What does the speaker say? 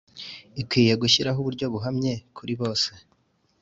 ikwiye gushyiraho uburyo buhamye kuri bose